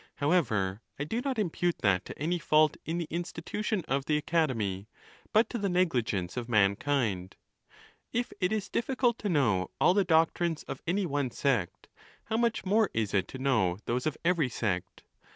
However, I do not impute that to any fault in the institution of the Academy, but to the negligence of mankind. If it is diffi cult to know all the doctrines of any one sect, how much more is it to know those of every sect